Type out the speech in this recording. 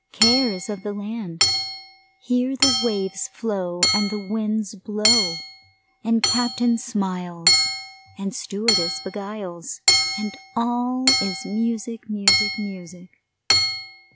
Care is of the land here the waves flow, and the winds blow, and captain smiles, and stewardess beguiles, and all is music, music, music.